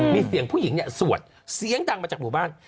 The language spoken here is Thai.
มีเสียงผู้หญิงเนี่ยสวดเสียงดังมาจากหมู่บ้าน